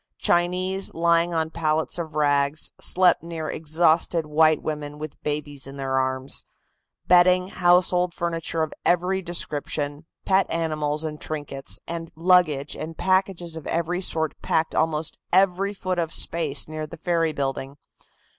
Chinese, lying on pallets of rags, slept near exhausted white women with babies in their arms. Bedding, household furniture of every description, pet animals and trinkets, luggage and packages of every sort packed almost every foot of space near the ferry building.